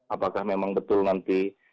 apakah memang betul nanti